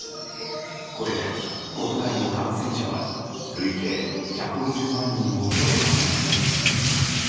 これで国内の感染者は累計１５０万人を超えました。